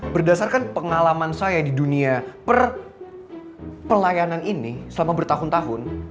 berdasarkan pengalaman saya di dunia pelayanan ini selama bertahun tahun